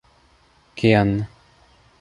Kian?